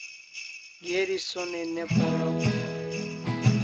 Geri sonai ne paraw